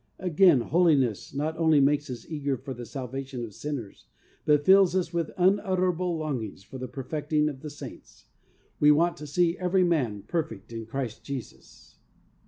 Again, Holiness not only makes us eager for the Salvation of sinners, but fills us with unutterable longings for the perfecting of the saints. We want to see ' every man perfect in Christ Jesus.